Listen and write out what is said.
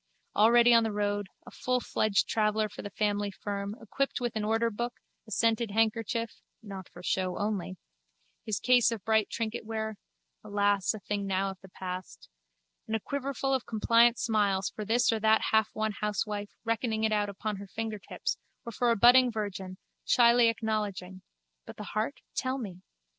already on the road, a fullfledged traveller for the family firm, equipped with an orderbook, a scented handkerchief (not for show only), his case of bright trinketware (alas! a thing now of the past!) and a quiverful of compliant smiles for this or that halfwon housewife reckoning it out upon her fingertips or for a budding virgin, shyly acknowledging (but the heart? tell me!)